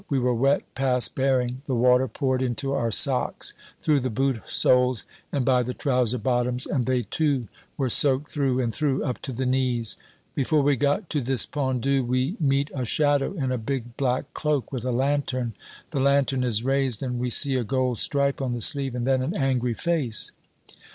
We were wet past bearing. The water poured into our socks through the boot soles and by the trouser bottoms, and they too were soaked through and through up to the knees. Before we got to this Pendu, we meet a shadow in a big black cloak, with a lantern. The lantern is raised, and we see a gold stripe on the sleeve, and then an angry face.